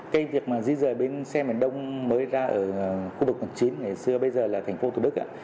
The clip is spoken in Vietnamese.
cái việc mà di dời bến xe miền đông mới ra ở khu vực chín ngày xưa bây giờ là tp hcm